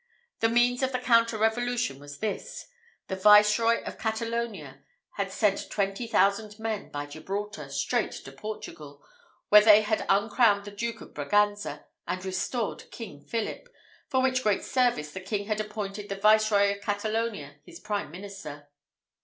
The means of the counter revolution was this: the Viceroy of Catalonia had sent twenty thousand men by Gibraltar, straight to Portugal, where they had uncrowned the Duke of Braganza, and restored King Philip, for which great service the king had appointed the Viceroy of Catalonia his prime minister.